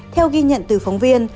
theo ghi nhận từ phóng viên